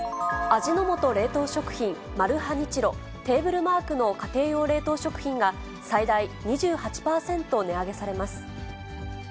味の素冷凍食品、マルハニチロ、テーブルマークの家庭用冷凍食品が、最大２８％値上げされます。